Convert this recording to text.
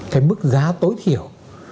cái mức giá tối thiểu